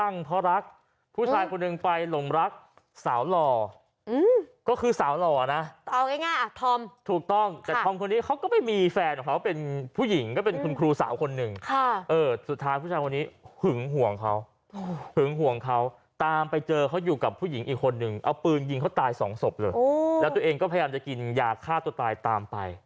นึงเอาปืนยิงเขาตายสองศพเลยโอ้แล้วตัวเองก็พยายามจะกินยาฆาตตัวตายตามไป